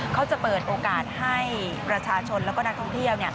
เขาจะเปิดโอกาสให้ประชาชนและนักท่องเที่ยว